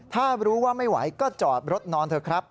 ถ้ารู้ว่าไม่ไหวก็จอดรถนอนเถอะครับ